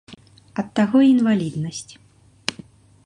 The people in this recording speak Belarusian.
Ад таго й інваліднасць.